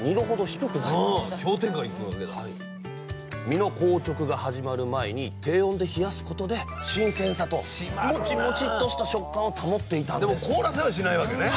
身の硬直が始まる前に低温で冷やすことで新鮮さとモチモチとした食感を保っていたんです